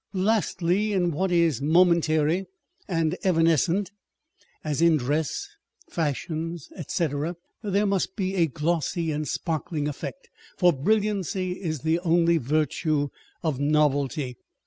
Lastly, in what is mo mentary and evanescent, as in dress, fashions, &c., there must be a glossy and sparkling effect, for brilliancy is the only virtue of novelty.